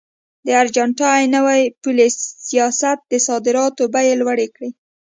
د ارجنټاین نوي پولي سیاست د صادراتو بیې لوړې کړې.